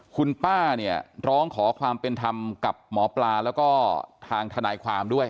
คุณป้าเนี่ยร้องขอความเป็นธรรมกับหมอปลาแล้วก็ทางทนายความด้วย